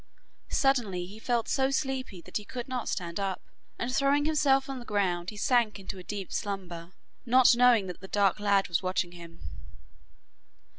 Suddenly he felt so sleepy that he could not stand up, and throwing himself on the ground he sank into a deep slumber, not knowing that the dark lad was watching him.